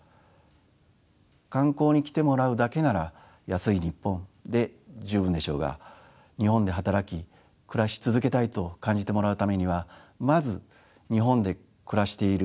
観光に来てもらうだけなら「安いニッポン！」で十分でしょうが日本で働き暮らし続けたいと感じてもらうためにはまず日本で暮らしている